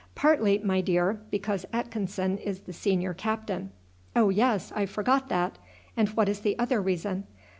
"Partly, my dear, because Atkinson is the senior captain." "Oh, yes! I forgot that. And what is the other reason?"